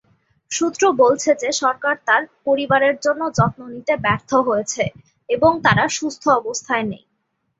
সূত্র বলছে যে সরকার তার পরিবারের যত্ন নিতে ব্যর্থ হয়েছে এবং তারা সুস্থ অবস্থায় নেই।